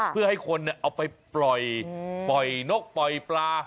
เพื่อให้คนเอาไปปล่อยนกปล่อยปลา